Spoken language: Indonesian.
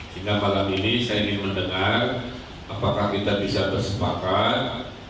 hingga malam ini saya ingin mendengar apakah kita bisa bersepakat